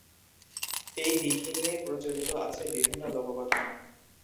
এই দিঘি নিয়ে প্রচলিত আছে বিভিন্ন লোককথা।